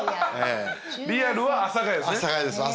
リアルは阿佐ケ谷ですね？